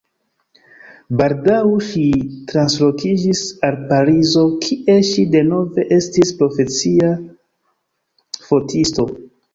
Baldaŭ ŝi translokiĝis al Parizo, kie ŝi denove estis profesia fotisto.